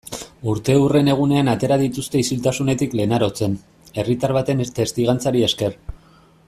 Urteurren egunean atera dituzte isiltasunetik Lenarotzen, herritar baten testigantzari esker.